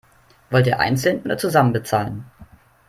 Wollt ihr einzeln oder zusammen bezahlen?